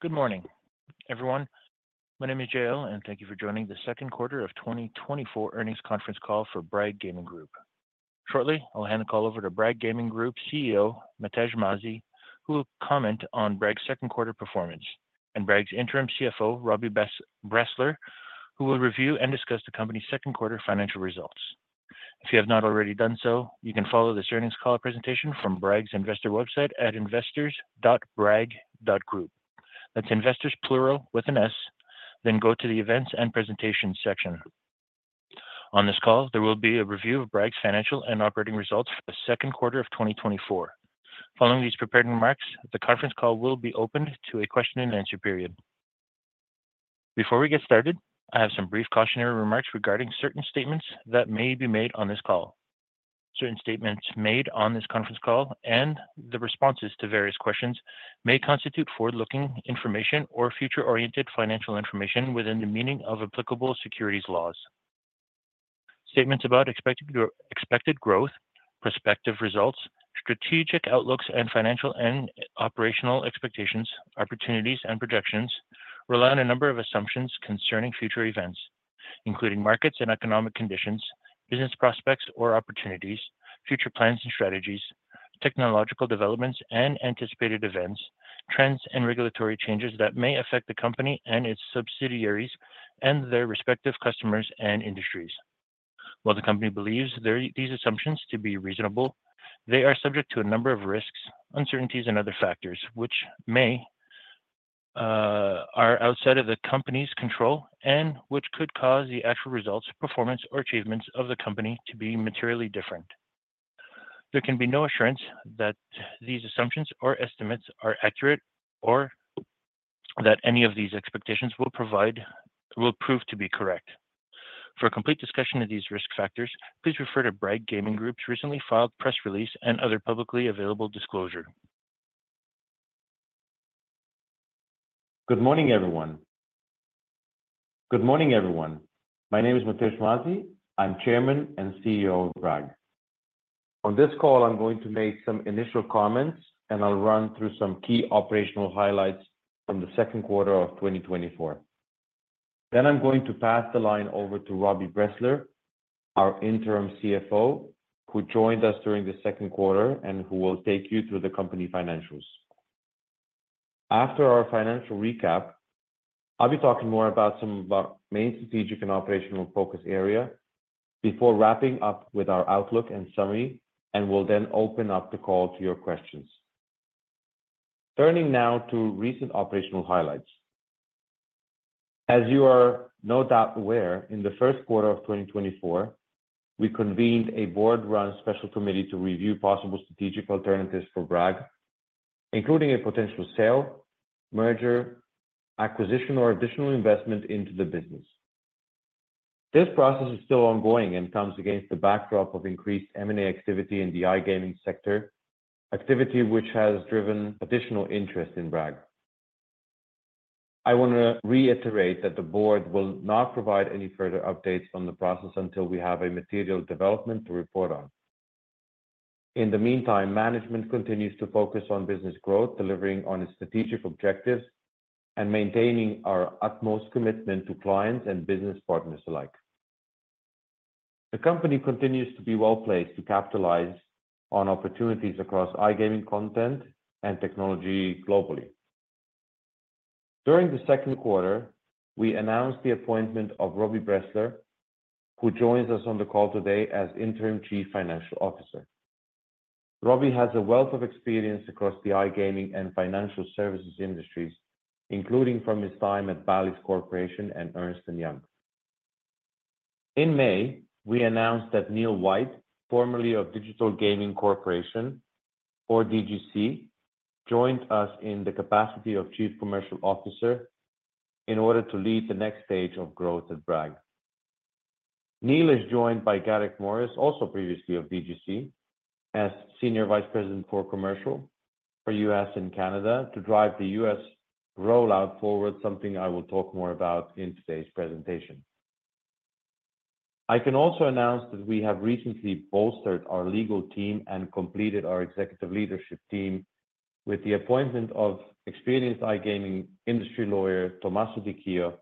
Good morning, everyone. My name is JL, and thank you for joining the Second Quarter of 2024 Earnings Conference Call for Bragg Gaming Group. Shortly, I'll hand the call over to Bragg Gaming Group CEO, Matevž Mazij, who will comment on Bragg's second quarter performance, and Bragg's interim CFO, Robbie Bressler, who will review and discuss the company's second quarter financial results. If you have not already done so, you can follow this earnings call presentation from Bragg's investor website at investors.bragg.group. That's investors, plural with an S, then go to the Events and Presentation section. On this call, there will be a review of Bragg's financial and operating results for the second quarter of 2024. Following these prepared remarks, the conference call will be opened to a question and answer period. Before we get started, I have some brief cautionary remarks regarding certain statements that may be made on this call. Certain statements made on this conference call and the responses to various questions may constitute forward-looking information or future-oriented financial information within the meaning of applicable securities laws. Statements about expected growth, prospective results, strategic outlooks, and financial and operational expectations, opportunities, and projections rely on a number of assumptions concerning future events, including markets and economic conditions, business prospects or opportunities, future plans and strategies, technological developments and anticipated events, trends and regulatory changes that may affect the company and its subsidiaries, and their respective customers and industries. While the company believes these assumptions to be reasonable, they are subject to a number of risks, uncertainties, and other factors which may, are outside of the company's control and which could cause the actual results, performance, or achievements of the company to be materially different. There can be no assurance that these assumptions or estimates are accurate or that any of these expectations will prove to be correct. For a complete discussion of these risk factors, please refer to Bragg Gaming Group's recently filed press release and other publicly available disclosure. Good morning, everyone. Good morning, everyone. My name is Matevž Mazij. I'm Chairman and CEO of Bragg. On this call, I'm going to make some initial comments, and I'll run through some key operational highlights from the second quarter of 2024. Then I'm going to pass the line over to Robbie Bressler, our Interim CFO, who joined us during the second quarter and who will take you through the company financials. After our financial recap, I'll be talking more about some of our main strategic and operational focus area before wrapping up with our outlook and summary, and we'll then open up the call to your questions. Turning now to recent operational highlights. As you are no doubt aware, in the first quarter of 2024, we convened a board-run special committee to review possible strategic alternatives for Bragg, including a potential sale, merger, acquisition, or additional investment into the business. This process is still ongoing and comes against the backdrop of increased M&A activity in the iGaming sector. Activity which has driven additional interest in Bragg. I wanna reiterate that the board will not provide any further updates on the process until we have a material development to report on. In the meantime, management continues to focus on business growth, delivering on its strategic objectives, and maintaining our utmost commitment to clients and business partners alike. The company continues to be well-placed to capitalize on opportunities across iGaming content and technology globally. During the second quarter, we announced the appointment of Robbie Bressler, who joins us on the call today as Interim Chief Financial Officer. Robbie has a wealth of experience across the iGaming and financial services industries, including from his time at Bally's Corporation and Ernst & Young. In May, we announced that Neil White, formerly of Digital Gaming Corporation or DGC, joined us in the capacity of Chief Commercial Officer in order to lead the next stage of growth at Bragg. Neil is joined by Garrick Morris, also previously of DGC, as Senior Vice President for Commercial for U.S. and Canada, to drive the U.S. rollout forward, something I will talk more about in today's presentation. I can also announce that we have recently bolstered our legal team and completed our executive leadership team with the appointment of experienced iGaming industry lawyer, Tommaso Di Dio,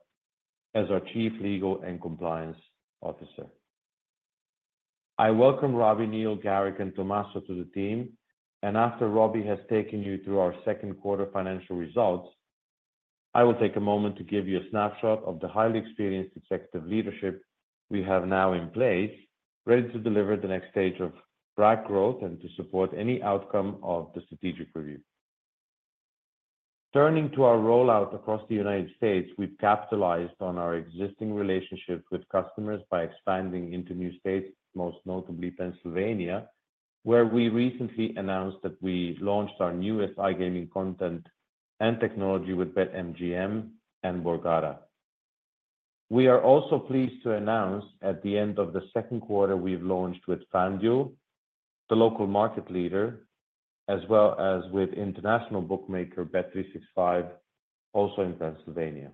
as our Chief Legal and Compliance Officer. I welcome Robbie, Neil, Garrick, and Tommaso to the team, and after Robbie has taken you through our second quarter financial results, I will take a moment to give you a snapshot of the highly experienced executive leadership we have now in place, ready to deliver the next stage of Bragg growth and to support any outcome of the strategic review. Turning to our rollout across the United States, we've capitalized on our existing relationships with customers by expanding into new states, most notably Pennsylvania, where we recently announced that we launched our newest iGaming content and technology with BetMGM and Borgata. We are also pleased to announce at the end of the second quarter, we've launched with FanDuel, the local market leader, as well as with international bookmaker, Bet365, also in Pennsylvania.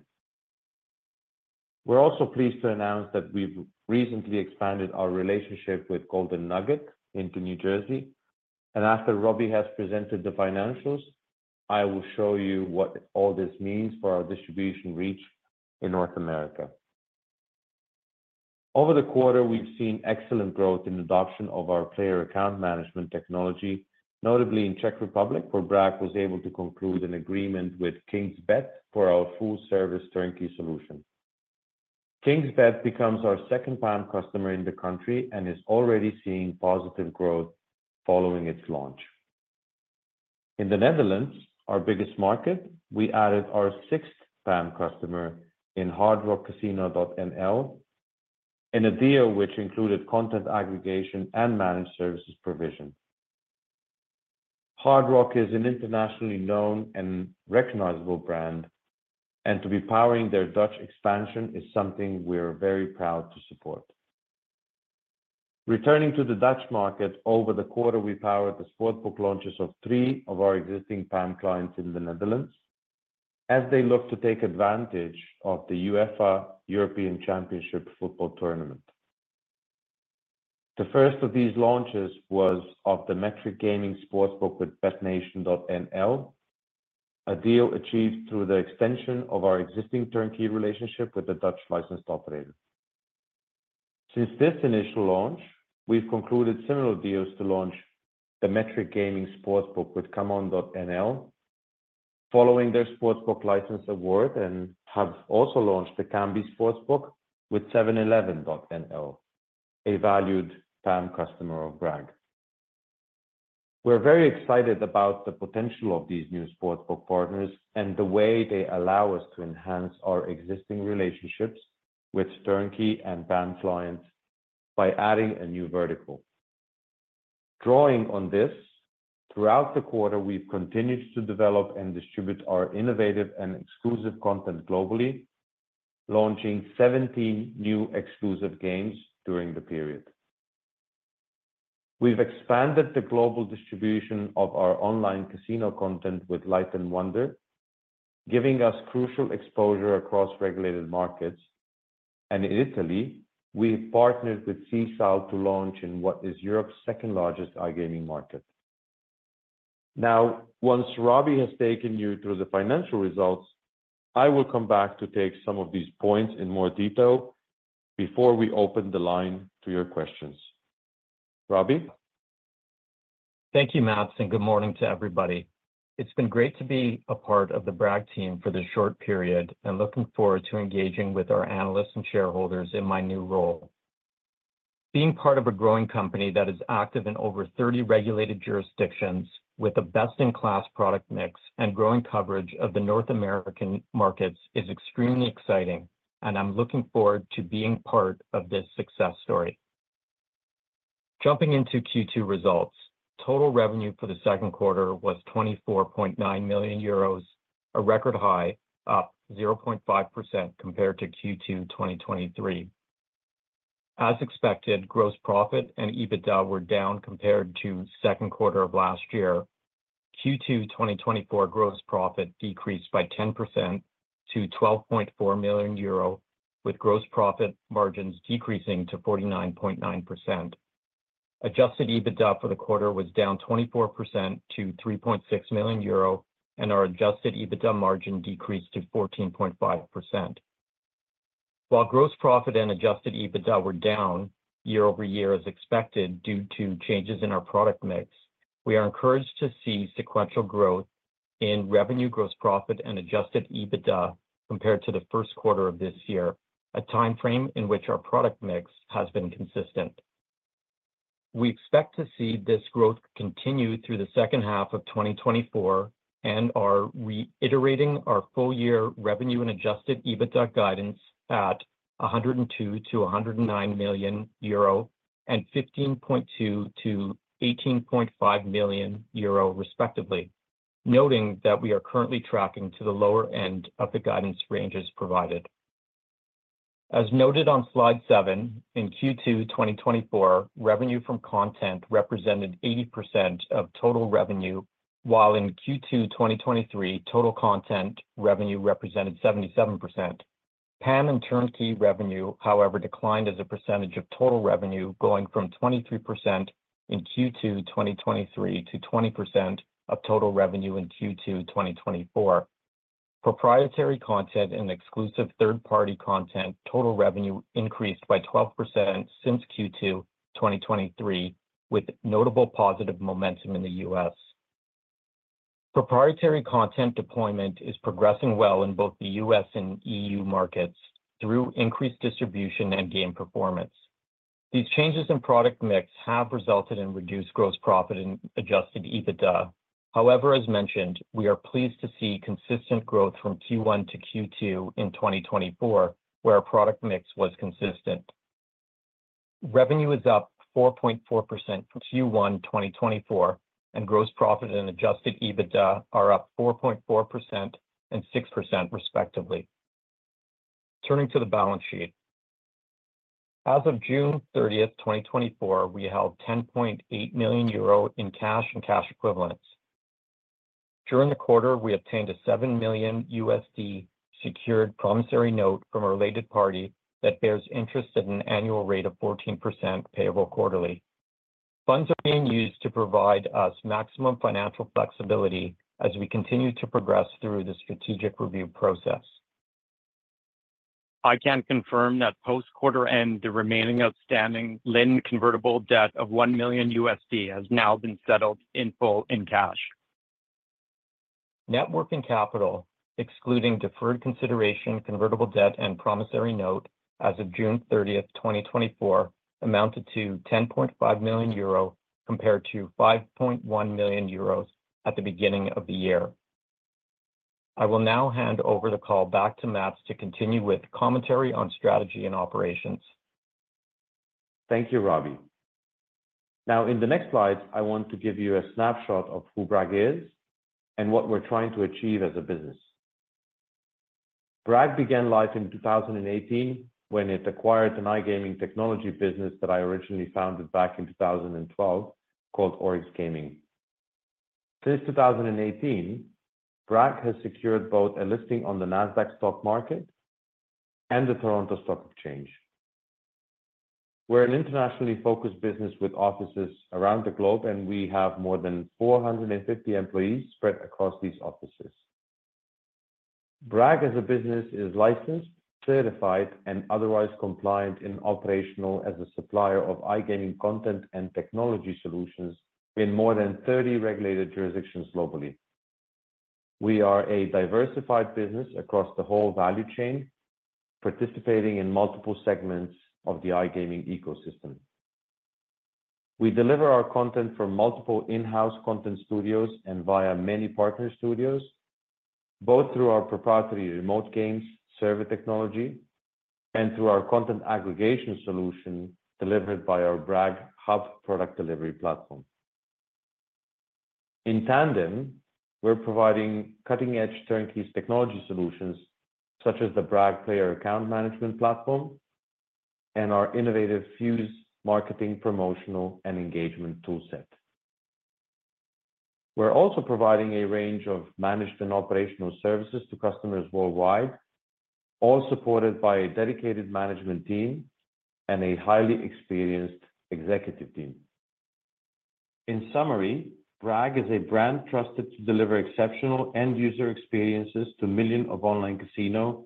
We're also pleased to announce that we've recently expanded our relationship with Golden Nugget into New Jersey, and after Robbie has presented the financials, I will show you what all this means for our distribution reach in North America. Over the quarter, we've seen excellent growth in adoption of our player account management technology, notably in Czech Republic, where Bragg was able to conclude an agreement with Kingsbet for our full-service turnkey solution. Kingsbet becomes our second PAM customer in the country and is already seeing positive growth following its launch. In the Netherlands, our biggest market, we added our sixth PAM customer in hardrockcasino.nl, in a deal which included content aggregation and managed services provision. Hard Rock is an internationally known and recognizable brand, and to be powering their Dutch expansion is something we're very proud to support. Returning to the Dutch market, over the quarter, we powered the sportsbook launches of three of our existing PAM clients in the Netherlands, as they look to take advantage of the UEFA European Championship football tournament. The first of these launches was of the Metric Gaming sportsbook with Betnation.nl, a deal achieved through the extension of our existing turnkey relationship with the Dutch licensed operator. Since this initial launch, we've concluded similar deals to launch the Metric Gaming sportsbook with ComeOn.nl, following their sportsbook license award, and have also launched the Kambi sportsbook with 711.nl, a valued PAM customer of Bragg. We're very excited about the potential of these new sportsbook partners and the way they allow us to enhance our existing relationships with turnkey and PAM clients by adding a new vertical. Drawing on this, throughout the quarter, we've continued to develop and distribute our innovative and exclusive content globally, launching 17 new exclusive games during the period. We've expanded the global distribution of our online casino content with Light & Wonder, giving us crucial exposure across regulated markets. In Italy, we've partnered with Sisal to launch in what is Europe's second-largest iGaming market. Now, once Robbie has taken you through the financial results, I will come back to take some of these points in more detail before we open the line to your questions. Robbie? Thank you, Mats, and good morning to everybody. It's been great to be a part of the Bragg team for this short period, and looking forward to engaging with our analysts and shareholders in my new role. Being part of a growing company that is active in over 30 regulated jurisdictions, with a best-in-class product mix and growing coverage of the North American markets, is extremely exciting, and I'm looking forward to being part of this success story. Jumping into Q2 results, total revenue for the second quarter was 24.9 million euros, a record high, up 0.5% compared to Q2 2023. As expected, gross profit and EBITDA were down compared to second quarter of last year. Q2 2024 gross profit decreased by 10% to 12.4 million euro, with gross profit margins decreasing to 49.9%. Adjusted EBITDA for the quarter was down 24% to 3.6 million euro, and our adjusted EBITDA margin decreased to 14.5%. While gross profit and adjusted EBITDA were down year-over-year as expected due to changes in our product mix, we are encouraged to see sequential growth in revenue, gross profit, and adjusted EBITDA compared to the first quarter of this year, a timeframe in which our product mix has been consistent. We expect to see this growth continue through the second half of 2024 and are reiterating our full year revenue and adjusted EBITDA guidance at 102 million-109 million euro, and 15.2 million-18.5 million euro respectively, noting that we are currently tracking to the lower end of the guidance ranges provided. As noted on slide 7, in Q2 2024, revenue from content represented 80% of total revenue, while in Q2 2023, total content revenue represented 77%. PAM and turnkey revenue, however, declined as a percentage of total revenue, going from 23% in Q2 2023 to 20% of total revenue in Q2 2024. Proprietary content and exclusive third-party content total revenue increased by 12% since Q2 2023, with notable positive momentum in the U.S. Proprietary content deployment is progressing well in both the U.S. and EU markets through increased distribution and game performance. These changes in product mix have resulted in reduced gross profit and adjusted EBITDA. However, as mentioned, we are pleased to see consistent growth from Q1 to Q2 in 2024, where our product mix was consistent. Revenue is up 4.4% from Q1 2024, and gross profit and adjusted EBITDA are up 4.4% and 6%, respectively. Turning to the balance sheet. As of June thirtieth, 2024, we held 10.8 million euro in cash and cash equivalents. During the quarter, we obtained a $7 million secured promissory note from a related party that bears interest at an annual rate of 14%, payable quarterly. Funds are being used to provide us maximum financial flexibility as we continue to progress through the strategic review process. I can confirm that post-quarter end, the remaining outstanding Lind convertible debt of $1 million has now been settled in full in cash. Net working capital, excluding deferred consideration, convertible debt, and promissory note as of June 30th, 2024, amounted to 10.5 million euro, compared to 5.1 million euros at the beginning of the year. I will now hand over the call back to Mats to continue with commentary on strategy and operations. Thank you, Robbie. Now, in the next slides, I want to give you a snapshot of who Bragg is and what we're trying to achieve as a business. Bragg began life in 2018 when it acquired an iGaming technology business that I originally founded back in 2012, called Oryx Gaming. Since 2018, Bragg has secured both a listing on the Nasdaq Stock Market and the Toronto Stock Exchange. We're an internationally focused business with offices around the globe, and we have more than 450 employees spread across these offices. Bragg, as a business, is licensed, certified, and otherwise compliant and operational as a supplier of iGaming content and technology solutions in more than 30 regulated jurisdictions globally. We are a diversified business across the whole value chain, participating in multiple segments of the iGaming ecosystem. We deliver our content from multiple in-house content studios and via many partner studios, both through our proprietary remote games server technology and through our content aggregation solution delivered by our Bragg Hub product delivery platform. In tandem, we're providing cutting-edge turnkey technology solutions, such as the Bragg Player Account Management platform and our innovative Fuse marketing, promotional, and engagement toolset. We're also providing a range of management operational services to customers worldwide, all supported by a dedicated management team and a highly experienced executive team. In summary, Bragg is a brand trusted to deliver exceptional end-user experiences to millions of online casino,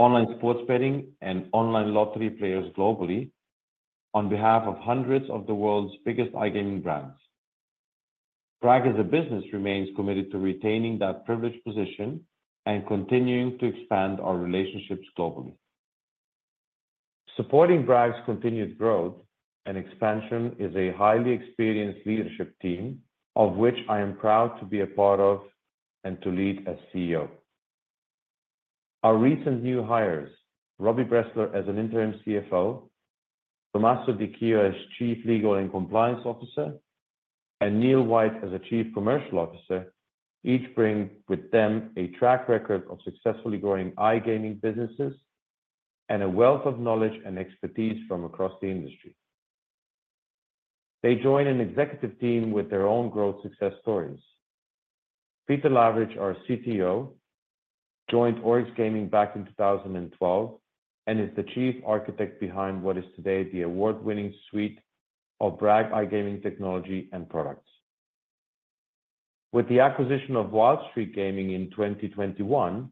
online sports betting, and online lottery players globally on behalf of hundreds of the world's biggest iGaming brands. Bragg, as a business, remains committed to retaining that privileged position and continuing to expand our relationships globally. Supporting Bragg's continued growth and expansion is a highly experienced leadership team, of which I am proud to be a part of and to lead as CEO. Our recent new hires, Robbie Bressler as Interim CFO, Tommaso Di Dio as Chief Legal and Compliance Officer, and Neil White as the Chief Commercial Officer, each bring with them a track record of successfully growing iGaming businesses and a wealth of knowledge and expertise from across the industry. They join an executive team with their own growth success stories. Peter Lavric, our CTO, joined Oryx Gaming back in 2012, and is the chief architect behind what is today the award-winning suite of Bragg iGaming technology and products. With the acquisition of Wild Streak Gaming in 2021,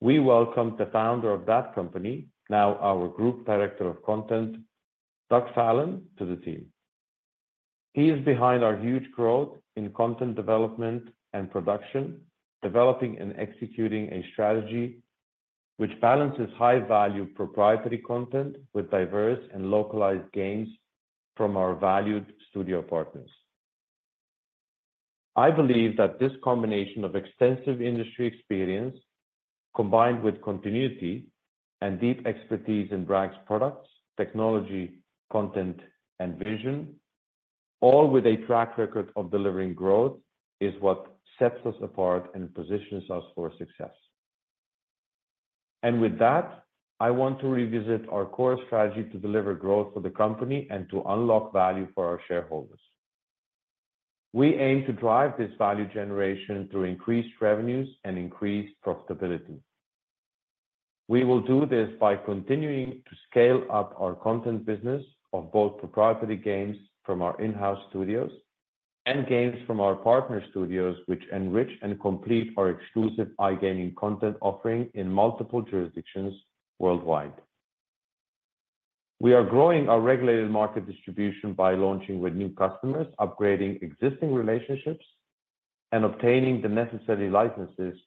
we welcomed the founder of that company, now our Group Director of Content, Doug Falloon, to the team. He is behind our huge growth in content development and production, developing and executing a strategy which balances high-value proprietary content with diverse and localized games from our valued studio partners. I believe that this combination of extensive industry experience, combined with continuity and deep expertise in Bragg's products, technology, content, and vision, all with a track record of delivering growth, is what sets us apart and positions us for success. And with that, I want to revisit our core strategy to deliver growth for the company and to unlock value for our shareholders. We aim to drive this value generation through increased revenues and increased profitability. We will do this by continuing to scale up our content business of both proprietary games from our in-house studios and games from our partner studios, which enrich and complete our exclusive iGaming content offering in multiple jurisdictions worldwide. We are growing our regulated market distribution by launching with new customers, upgrading existing relationships, and obtaining the necessary licenses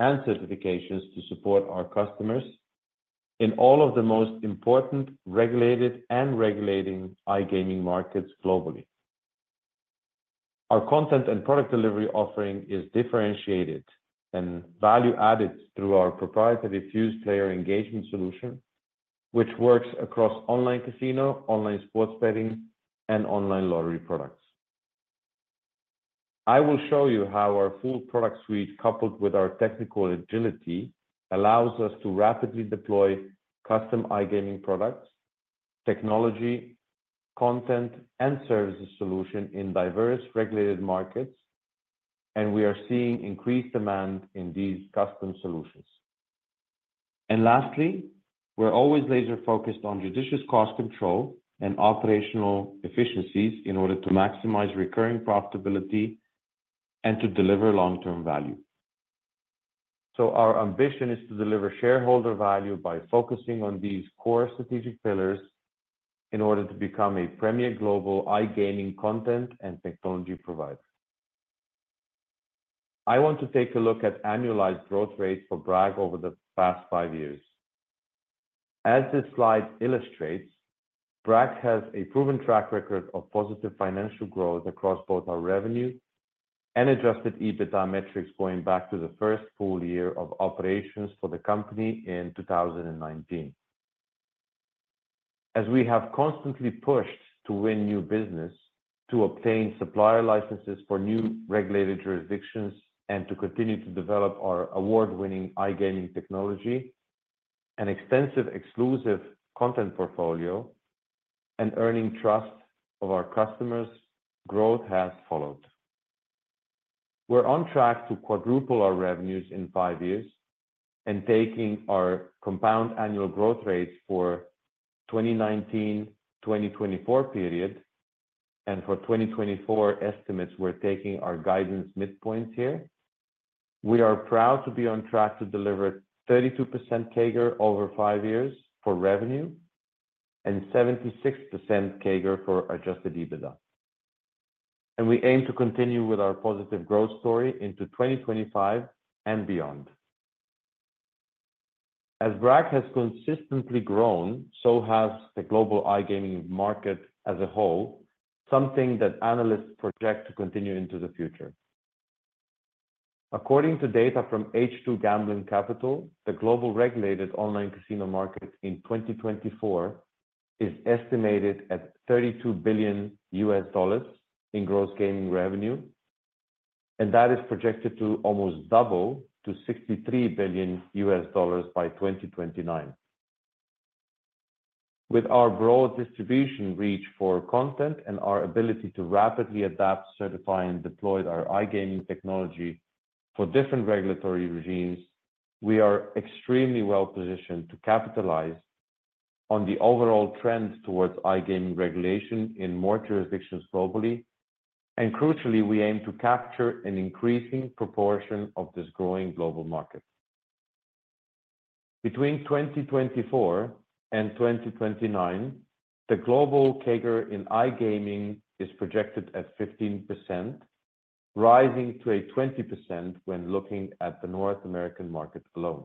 and certifications to support our customers in all of the most important regulated and regulating iGaming markets globally. Our content and product delivery offering is differentiated and value-added through our proprietary Fuse player engagement solution, which works across online casino, online sports betting, and online lottery products.... I will show you how our full product suite, coupled with our technical agility, allows us to rapidly deploy custom iGaming products, technology, content, and services solution in diverse regulated markets, and we are seeing increased demand in these custom solutions. And lastly, we're always laser-focused on judicious cost control and operational efficiencies in order to maximize recurring profitability and to deliver long-term value. So our ambition is to deliver shareholder value by focusing on these core strategic pillars in order to become a premier global iGaming content and technology provider. I want to take a look at annualized growth rates for Bragg over the past 5 years. As this slide illustrates, Bragg has a proven track record of positive financial growth across both our revenue and Adjusted EBITDA metrics, going back to the first full year of operations for the company in 2019. As we have constantly pushed to win new business, to obtain supplier licenses for new regulated jurisdictions, and to continue to develop our award-winning iGaming technology, an extensive exclusive content portfolio, and earning trust of our customers, growth has followed. We're on track to quadruple our revenues in 5 years and taking our compound annual growth rates for 2019-2024 period, and for 2024 estimates, we're taking our guidance midpoint here. We are proud to be on track to deliver 32% CAGR over 5 years for revenue and 76% CAGR for Adjusted EBITDA, and we aim to continue with our positive growth story into 2025 and beyond. As Bragg has consistently grown, so has the global iGaming market as a whole, something that analysts project to continue into the future. According to data from H2 Gambling Capital, the global regulated online casino market in 2024 is estimated at $32 billion in gross gaming revenue, and that is projected to almost double to $63 billion by 2029. With our broad distribution reach for content and our ability to rapidly adapt, certify, and deploy our iGaming technology for different regulatory regimes, we are extremely well-positioned to capitalize on the overall trends towards iGaming regulation in more jurisdictions globally, and crucially, we aim to capture an increasing proportion of this growing global market. Between 2024 and 2029, the global CAGR in iGaming is projected at 15%, rising to a 20% when looking at the North American market alone.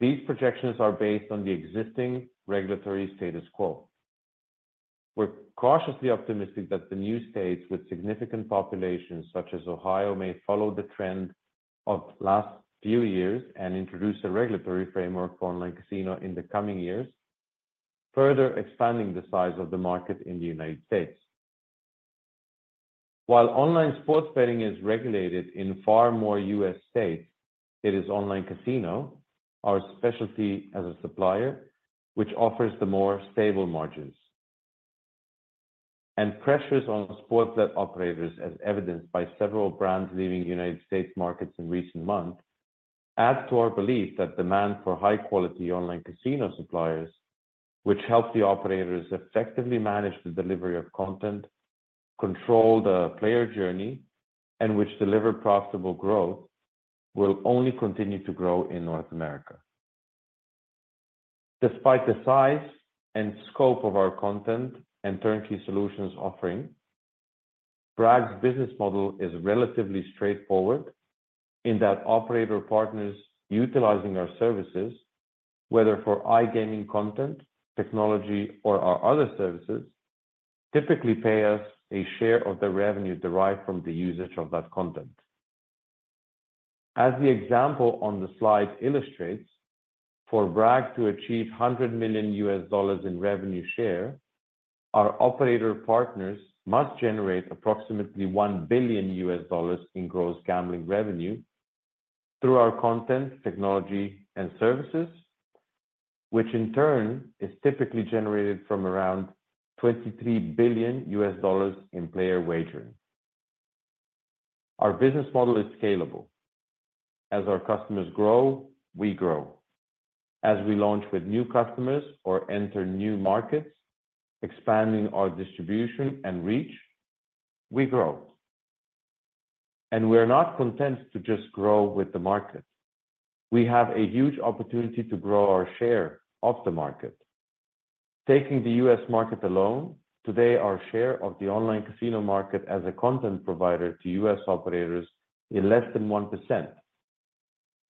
These projections are based on the existing regulatory status quo. We're cautiously optimistic that the new states with significant populations, such as Ohio, may follow the trend of last few years and introduce a regulatory framework for online casino in the coming years, further expanding the size of the market in the United States. While online sports betting is regulated in far more U.S. states, it is online casino, our specialty as a supplier, which offers the more stable margins. Pressures on sports bet operators, as evidenced by several brands leaving United States markets in recent months, add to our belief that demand for high-quality online casino suppliers, which help the operators effectively manage the delivery of content, control the player journey, and which deliver profitable growth, will only continue to grow in North America. Despite the size and scope of our content and turnkey solutions offering, Bragg's business model is relatively straightforward in that operator partners utilizing our services, whether for iGaming content, technology, or our other services, typically pay us a share of the revenue derived from the usage of that content. As the example on the slide illustrates, for Bragg to achieve $100 million in revenue share, our operator partners must generate approximately $1 billion in gross gambling revenue through our content, technology, and services, which in turn is typically generated from around $23 billion in player wagering. Our business model is scalable. As our customers grow, we grow. As we launch with new customers or enter new markets, expanding our distribution and reach, we grow. And we're not content to just grow with the market. We have a huge opportunity to grow our share of the market. Taking the U.S. market alone, today, our share of the online casino market as a content provider to U.S. operators is less than 1%.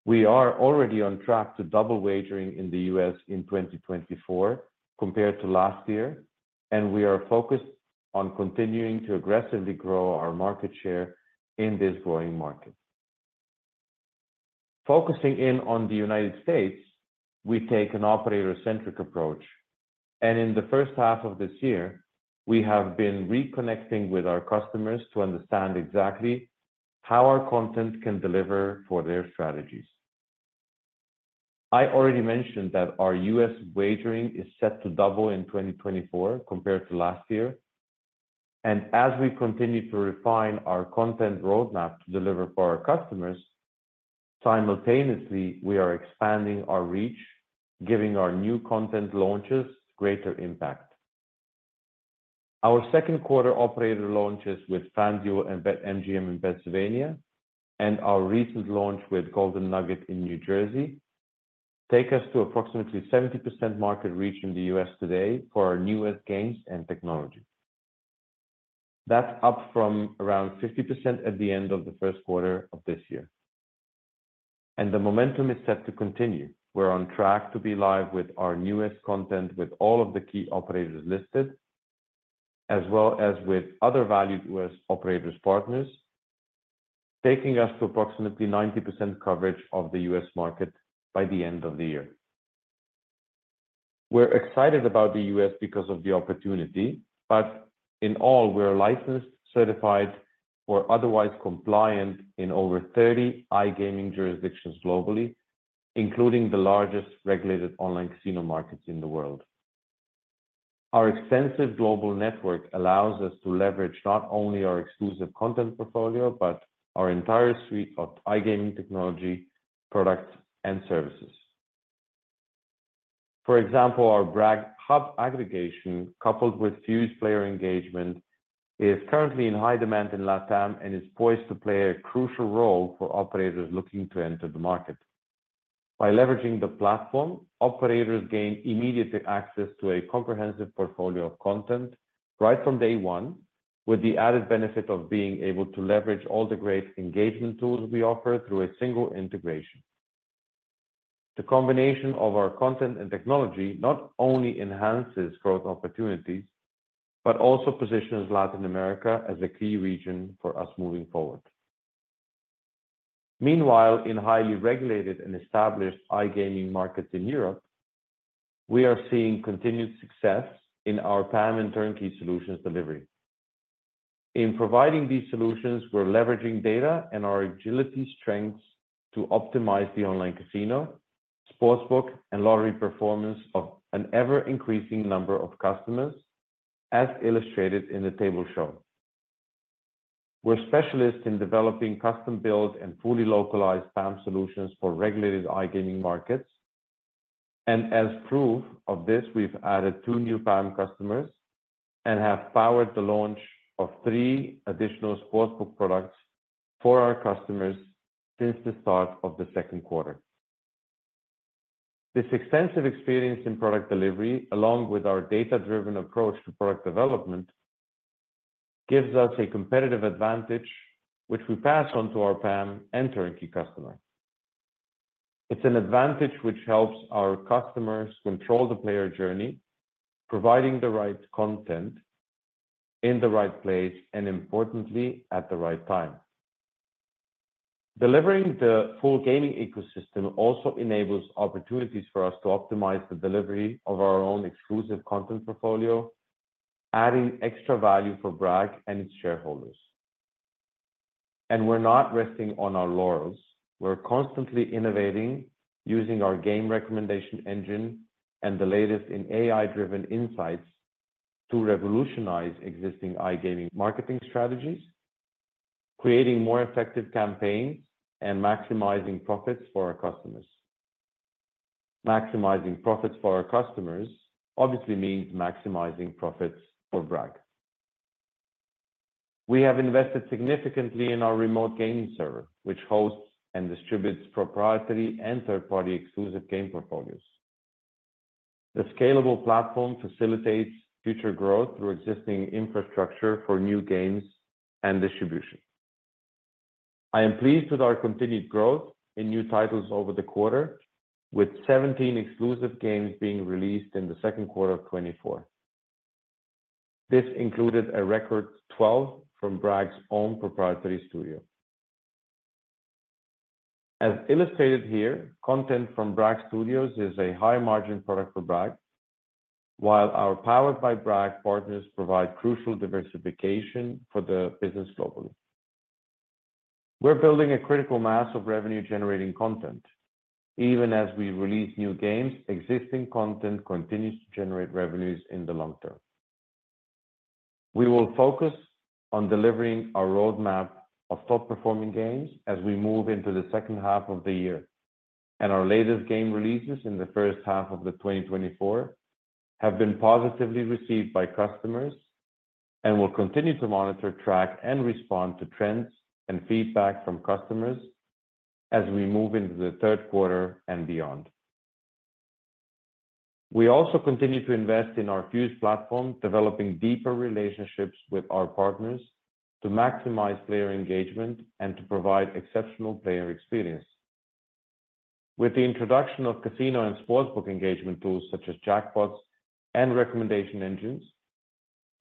We are already on track to double wagering in the U.S. in 2024 compared to last year, and we are focused on continuing to aggressively grow our market share in this growing market. Focusing in on the United States, we take an operator-centric approach, and in the first half of this year, we have been reconnecting with our customers to understand exactly how our content can deliver for their strategies. I already mentioned that our U.S. wagering is set to double in 2024 compared to last year, and as we continue to refine our content roadmap to deliver for our customers, simultaneously, we are expanding our reach, giving our new content launches greater impact. Our second quarter operator launches with FanDuel and BetMGM in Pennsylvania, and our recent launch with Golden Nugget in New Jersey, take us to approximately 70% market reach in the U.S. today for our newest games and technology. That's up from around 50% at the end of the first quarter of this year, and the momentum is set to continue. We're on track to be live with our newest content with all of the key operators listed, as well as with other valued U.S. operators partners, taking us to approximately 90% coverage of the U.S. market by the end of the year. We're excited about the U.S. because of the opportunity, but in all, we're licensed, certified, or otherwise compliant in over 30 iGaming jurisdictions globally, including the largest regulated online casino markets in the world. Our extensive global network allows us to leverage not only our exclusive content portfolio, but our entire suite of iGaming technology, products, and services. For example, our Bragg Hub aggregation, coupled with Fuse player engagement, is currently in high demand in LATAM and is poised to play a crucial role for operators looking to enter the market. By leveraging the platform, operators gain immediate access to a comprehensive portfolio of content right from day one, with the added benefit of being able to leverage all the great engagement tools we offer through a single integration. The combination of our content and technology not only enhances growth opportunities, but also positions Latin America as a key region for us moving forward. Meanwhile, in highly regulated and established iGaming markets in Europe, we are seeing continued success in our PAM and turnkey solutions delivery. In providing these solutions, we're leveraging data and our agility strengths to optimize the online casino, sportsbook, and lottery performance of an ever-increasing number of customers, as illustrated in the table shown. We're specialists in developing custom-built and fully localized PAM solutions for regulated iGaming markets, and as proof of this, we've added 2 new PAM customers and have powered the launch of 3 additional sportsbook products for our customers since the start of the second quarter. This extensive experience in product delivery, along with our data-driven approach to product development, gives us a competitive advantage, which we pass on to our PAM and turnkey customers. It's an advantage which helps our customers control the player journey, providing the right content in the right place, and importantly, at the right time. Delivering the full gaming ecosystem also enables opportunities for us to optimize the delivery of our own exclusive content portfolio, adding extra value for Bragg and its shareholders. We're not resting on our laurels. We're constantly innovating using our game recommendation engine and the latest in AI-driven insights to revolutionize existing iGaming marketing strategies, creating more effective campaigns and maximizing profits for our customers. Maximizing profits for our customers obviously means maximizing profits for Bragg. We have invested significantly in our remote gaming server, which hosts and distributes proprietary and third-party exclusive game portfolios. The scalable platform facilitates future growth through existing infrastructure for new games and distribution. I am pleased with our continued growth in new titles over the quarter, with 17 exclusive games being released in the second quarter of 2024. This included a record 12 from Bragg's own proprietary studio. As illustrated here, content from Bragg Studios is a high-margin product for Bragg, while our Powered by Bragg partners provide crucial diversification for the business globally. We're building a critical mass of revenue-generating content. Even as we release new games, existing content continues to generate revenues in the long term. We will focus on delivering our roadmap of top-performing games as we move into the second half of the year, and our latest game releases in the first half of 2024 have been positively received by customers and will continue to monitor, track, and respond to trends and feedback from customers as we move into the third quarter and beyond. We also continue to invest in our Fuse platform, developing deeper relationships with our partners to maximize player engagement and to provide exceptional player experience. With the introduction of casino and sportsbook engagement tools, such as jackpots and recommendation engines.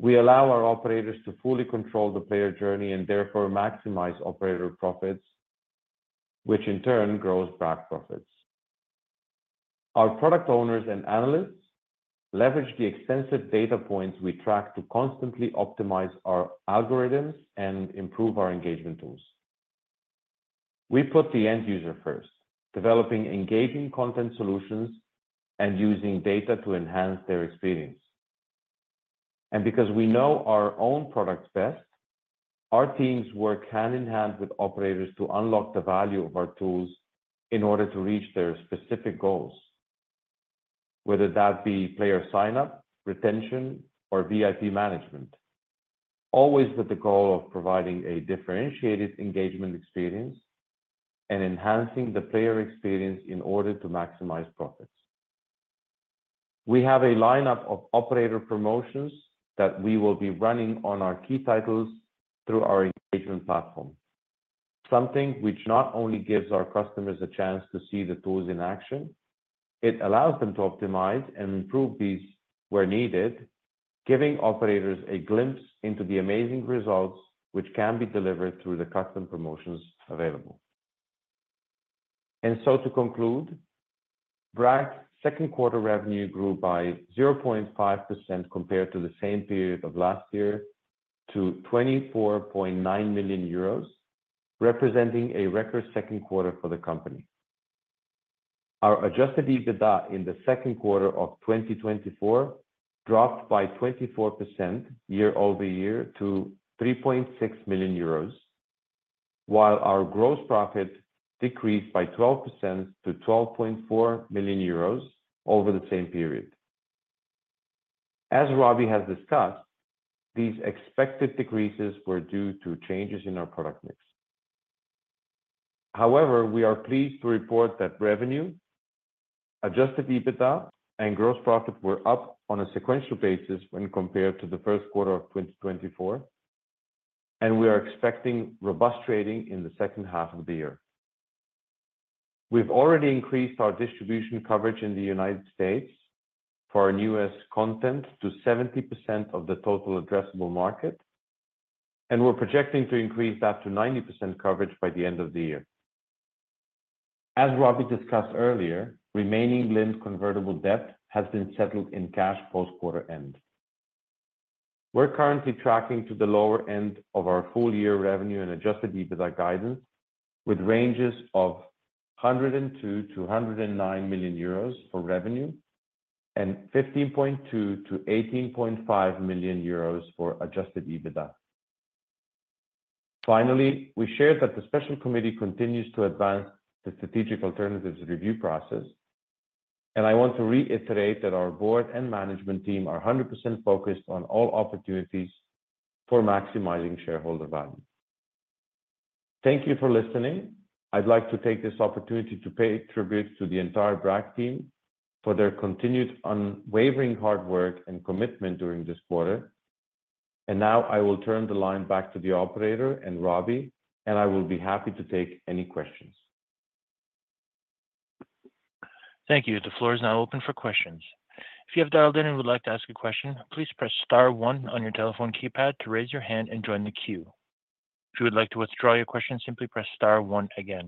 We allow our operators to fully control the player journey and therefore maximize operator profits, which in turn grows Bragg profits. Our product owners and analysts leverage the extensive data points we track to constantly optimize our algorithms and improve our engagement tools. We put the end user first, developing engaging content solutions and using data to enhance their experience. Because we know our own products best, our teams work hand-in-hand with operators to unlock the value of our tools in order to reach their specific goals, whether that be player sign-up, retention, or VIP management, always with the goal of providing a differentiated engagement experience and enhancing the player experience in order to maximize profits. We have a lineup of operator promotions that we will be running on our key titles through our engagement platform. Something which not only gives our customers a chance to see the tools in action, it allows them to optimize and improve these where needed, giving operators a glimpse into the amazing results which can be delivered through the custom promotions available. To conclude, Bragg's second quarter revenue grew by 0.5% compared to the same period of last year, to 24.9 million euros, representing a record second quarter for the company. Our adjusted EBITDA in the second quarter of 2024 dropped by 24% year-over-year to 3.6 million euros, while our gross profit decreased by 12% to 12.4 million euros over the same period. As Robbie has discussed, these expected decreases were due to changes in our product mix. However, we are pleased to report that revenue, adjusted EBITDA, and gross profit were up on a sequential basis when compared to the first quarter of 2024, and we are expecting robust trading in the second half of the year. We've already increased our distribution coverage in the United States for our newest content to 70% of the total addressable market, and we're projecting to increase that to 90% coverage by the end of the year. As Robbie discussed earlier, remaining Lind convertible debt has been settled in cash post-quarter end. We're currently tracking to the lower end of our full-year revenue and Adjusted EBITDA guidance, with ranges of 102 million-109 million euros for revenue and 15.2 million-18.5 million euros for Adjusted EBITDA. Finally, we shared that the special committee continues to advance the strategic alternatives review process, and I want to reiterate that our board and management team are 100% focused on all opportunities for maximizing shareholder value. Thank you for listening. I'd like to take this opportunity to pay tribute to the entire Bragg team for their continued unwavering hard work and commitment during this quarter. Now, I will turn the line back to the operator and Robbie, and I will be happy to take any questions. Thank you. The floor is now open for questions. If you have dialed in and would like to ask a question, please press star one on your telephone keypad to raise your hand and join the queue. If you would like to withdraw your question, simply press star one again.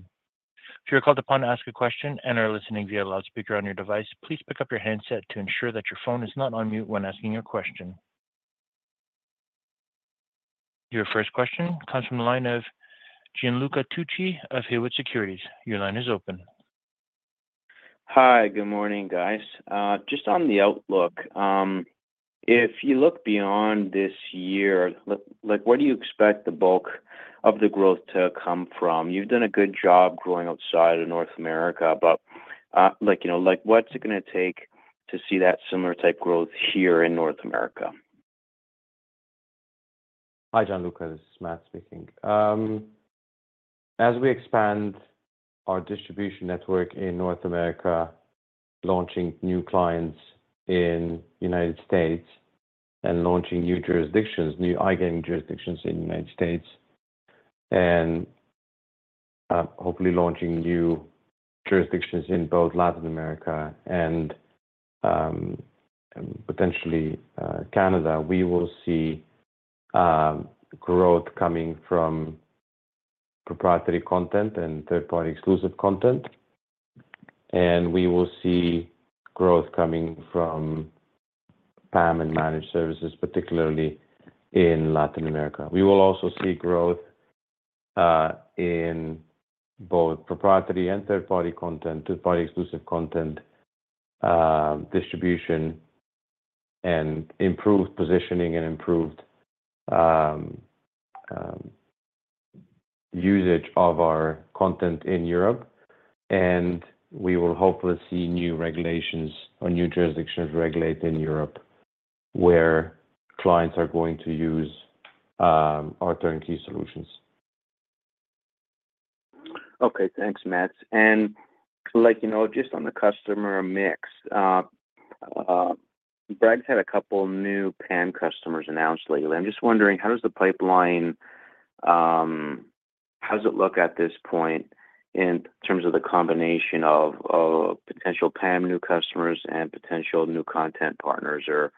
If you're called upon to ask a question and are listening via loudspeaker on your device, please pick up your handset to ensure that your phone is not on mute when asking your question. Your first question comes from the line of Gianluca Tucci of Haywood Securities. Your line is open. Hi. Good morning, guys. Just on the outlook, if you look beyond this year, like where do you expect the bulk of the growth to come from? You've done a good job growing outside of North America, but, like, you know, like, what's it gonna take to see that similar type growth here in North America? Hi, Gianluca, this is Mats speaking. As we expand our distribution network in North America, launching new clients in United States and launching new jurisdictions, new iGaming jurisdictions in the United States, and, hopefully launching new jurisdictions in both Latin America and, potentially, Canada, we will see, growth coming from proprietary content and third-party exclusive content. And we will see growth coming from PAM and managed services, particularly in Latin America. We will also see growth, in both proprietary and third-party content, third-party exclusive content, distribution, and improved positioning and improved, usage of our content in Europe. And we will hopefully see new regulations or new jurisdictions regulate in Europe, where clients are going to use, our turnkey solutions. Okay. Thanks, Mats. And like, you know, just on the customer mix, BRAG's had a couple new PAM customers announced lately. I'm just wondering, how does the pipeline, how does it look at this point in terms of the combination of, of potential PAM new customers and potential new content partners or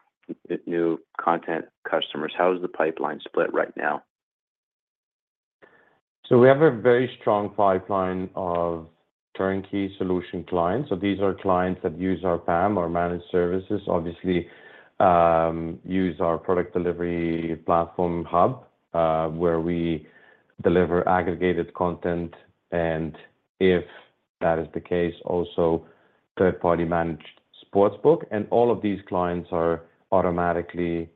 new content customers? How is the pipeline split right now? We have a very strong pipeline of turnkey solution clients. These are clients that use our PAM or managed services, obviously use our product delivery platform hub, where we deliver aggregated content, and if that is the case, also third-party managed sportsbook, and all of these clients are automatically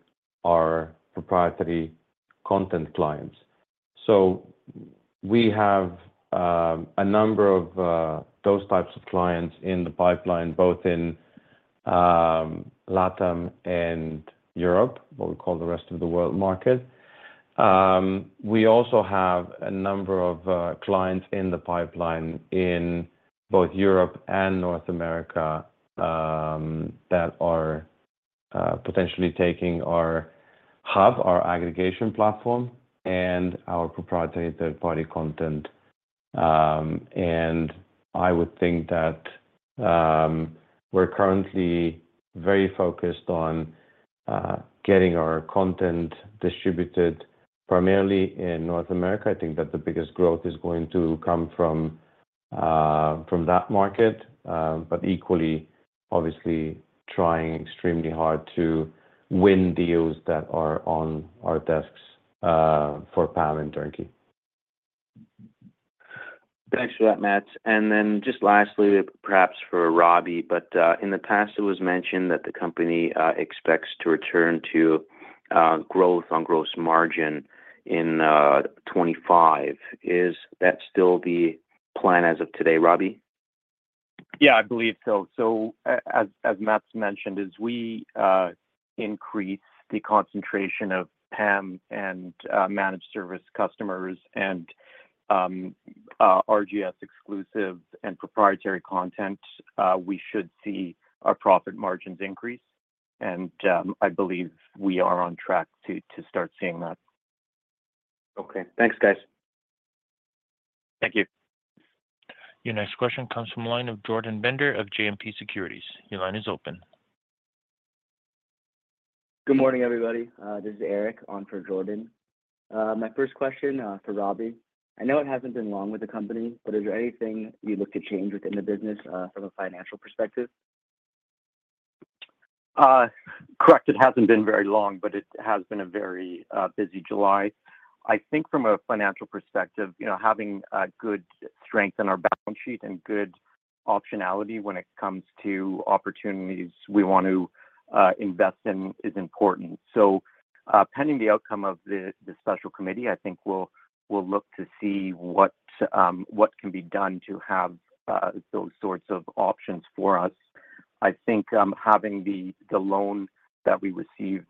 our proprietary content clients. We have a number of those types of clients in the pipeline, both in LATAM and Europe, what we call the rest of the world market. We also have a number of clients in the pipeline in both Europe and North America that are potentially taking our hub, our aggregation platform, and our proprietary third-party content. I would think that we're currently very focused on getting our content distributed primarily in North America. I think that the biggest growth is going to come from that market, but equally, obviously, trying extremely hard to win deals that are on our desks for PAM and turnkey. Thanks for that, Mats. And then just lastly, perhaps for Robbie, but, in the past, it was mentioned that the company expects to return to growth on gross margin in 2025. Is that still the plan as of today, Robbie? Yeah, I believe so. So as Mats mentioned, as we increase the concentration of PAM and managed service customers and RGS exclusive and proprietary content, we should see our profit margins increase, and I believe we are on track to start seeing that. Okay. Thanks, guys. Thank you. Your next question comes from the line of Jordan Bender of JMP Securities. Your line is open. Good morning, everybody. This is Erik on for Jordan. My first question for Robbie. I know it hasn't been long with the company, but is there anything you'd look to change within the business from a financial perspective? Correct, it hasn't been very long, but it has been a very busy July. I think from a financial perspective, you know, having a good strength in our balance sheet and good optionality when it comes to opportunities we want to invest in is important. So, pending the outcome of the special committee, I think we'll look to see what can be done to have those sorts of options for us. I think, having the loan that we received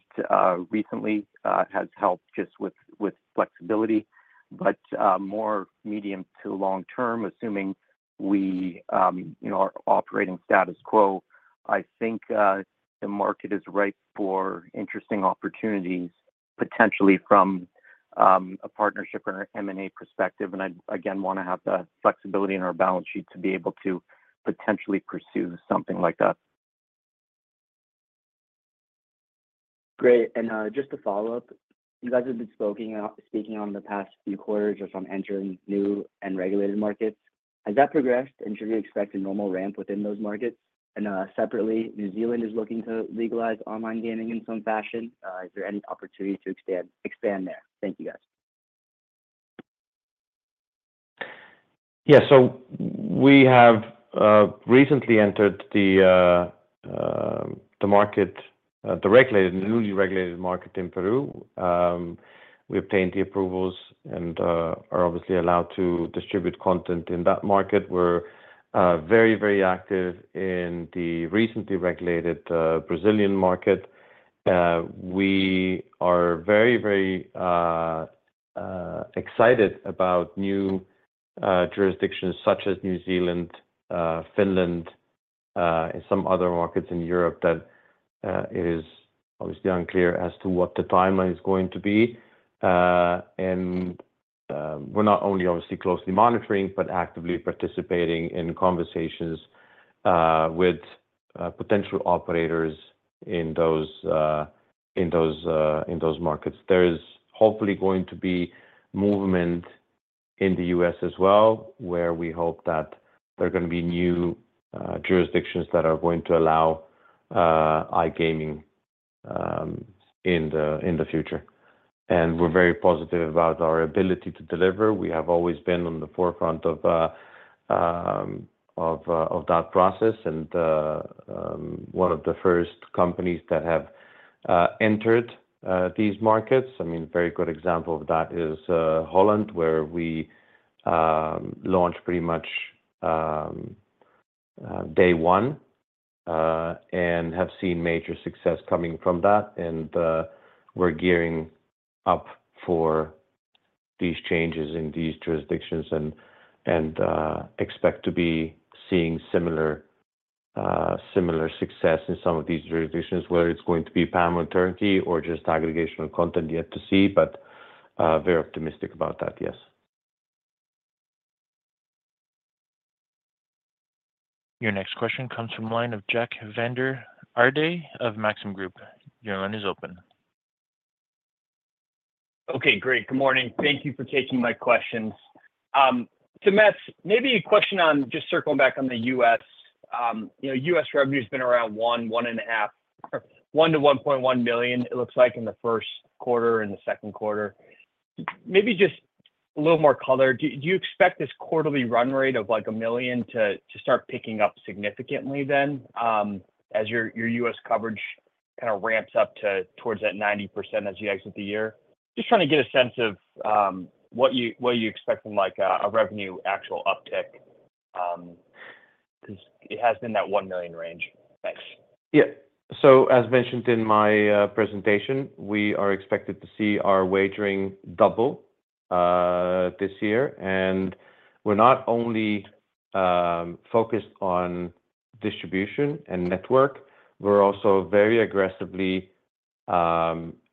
recently has helped just with flexibility, but more medium to long term, assuming we, you know, are operating status quo, I think the market is ripe for interesting opportunities, potentially from a partnership or an M&A perspective, and I, again, want to have the flexibility in our balance sheet to be able to potentially pursue something like that. Great. And, just to follow up, you guys have been speaking on the past few quarters just on entering new and regulated markets. Has that progressed, and should we expect a normal ramp within those markets? And, separately, New Zealand is looking to legalize online gaming in some fashion. Is there any opportunity to expand there? Thank you, guys. Yeah. So we have recently entered the regulated, newly regulated market in Peru. We obtained the approvals and are obviously allowed to distribute content in that market. We're very, very active in the recently regulated Brazilian market. We are very, very excited about new jurisdictions such as New Zealand, Finland, and some other markets in Europe that it is obviously unclear as to what the timeline is going to be. And we're not only obviously closely monitoring, but actively participating in conversations with potential operators in those markets. There is hopefully going to be movement in the U.S. as well, where we hope that there are gonna be new jurisdictions that are going to allow iGaming in the future. We're very positive about our ability to deliver. We have always been on the forefront of that process, and one of the first companies that have entered these markets. I mean, a very good example of that is Holland, where we launched pretty much day one and have seen major success coming from that, and we're gearing up for these changes in these jurisdictions and expect to be seeing similar success in some of these jurisdictions, whether it's going to be PAM or turnkey or just aggregation of content, yet to see, but, very optimistic about that. Yes. Your next question comes from line of Jack Vander Aarde of Maxim Group. Your line is open. Okay, great. Good morning. Thank you for taking my questions. To Mats, maybe a question on just circling back on the US. You know, US revenue's been around 1 million-1.1 million, it looks like in the first quarter and the second quarter. Maybe just a little more color. Do you expect this quarterly run rate of, like, 1 million to start picking up significantly then, as your US coverage kinda ramps up towards that 90% as you exit the year? Just trying to get a sense of what you expect from, like, a revenue actual uptick, 'cause it has been that 1 million range. Thanks. Yeah. So as mentioned in my presentation, we are expected to see our wagering double this year. And we're not only focused on distribution and network, we're also very aggressively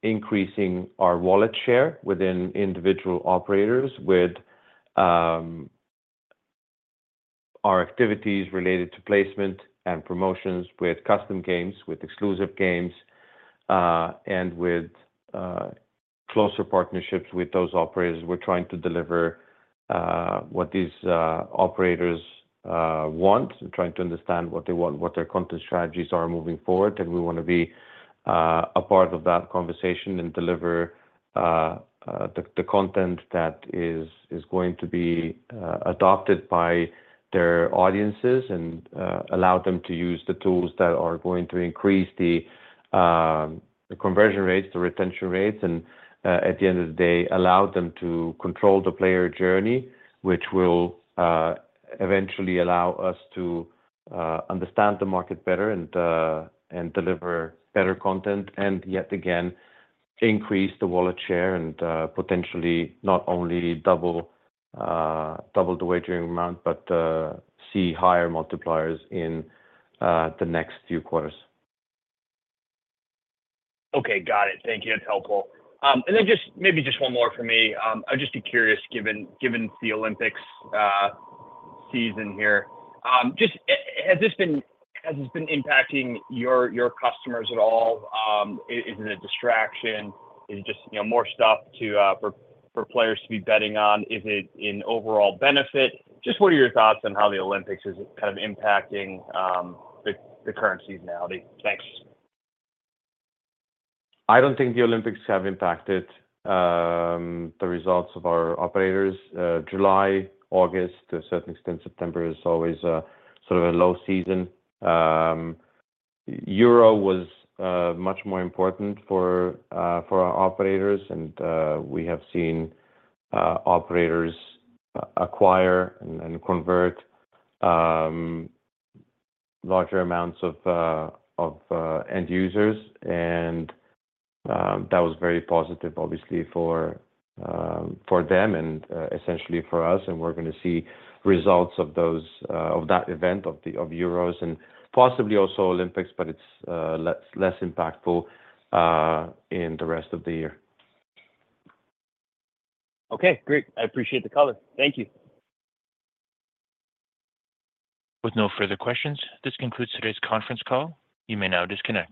increasing our wallet share within individual operators with our activities related to placement and promotions, with custom games, with exclusive games, and with closer partnerships with those operators. We're trying to deliver what these operators want. We're trying to understand what they want, what their content strategies are moving forward, and we wanna be a part of that conversation and deliver the content that is going to be adopted by their audiences. Allow them to use the tools that are going to increase the, the conversion rates, the retention rates, and, at the end of the day, allow them to control the player journey. Which will eventually allow us to understand the market better and, and deliver better content, and yet again, increase the wallet share, and, potentially not only double, double the wagering amount, but, see higher multipliers in, the next few quarters. Okay. Got it. Thank you. That's helpful. And then just maybe just one more for me. I'm just curious, given the Olympics season here, just has this been impacting your customers at all? Is it a distraction? Is it just, you know, more stuff to for players to be betting on? Is it an overall benefit? Just what are your thoughts on how the Olympics is kind of impacting the current seasonality? Thanks. I don't think the Olympics have impacted the results of our operators. July, August, to a certain extent, September is always sort of a low season. Euro was much more important for our operators, and we have seen operators acquire and convert larger amounts of end users. And that was very positive, obviously, for them and essentially for us. And we're gonna see results of those of that event, of Euros and possibly also Olympics, but it's less impactful in the rest of the year. Okay, great. I appreciate the color. Thank you. With no further questions, this concludes today's conference call. You may now disconnect.